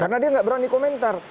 karena dia nggak berani komentar